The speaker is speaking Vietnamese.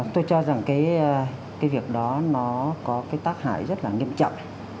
tôi cho rằng cái việc đó nó có cái tác hại rất là nghiêm trọng